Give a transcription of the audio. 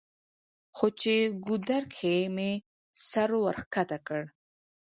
خو چې ګودر کښې مې سر ورښکته کړو